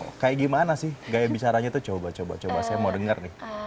oh kayak gimana sih gaya bicaranya tuh coba coba saya mau denger nih